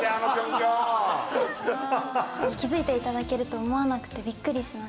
気付いていただけると思わなくてびっくりしました。